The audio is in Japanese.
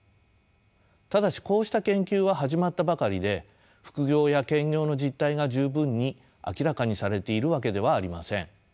ただしこうした研究は始まったばかりで副業や兼業の実態が十分に明らかにされているわけではありません。